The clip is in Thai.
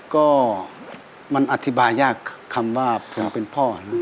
ก็มันอธิบายยากคำว่าผมเป็นพ่อ